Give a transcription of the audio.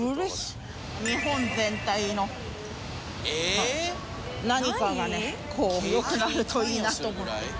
日本全体の何かがねこう良くなるといいなと思って。